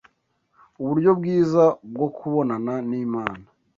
uburyo bwiza bwo kubonana n’Imana